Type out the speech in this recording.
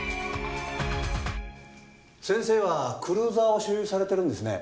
先生はクルーザーを所有されてるんですね？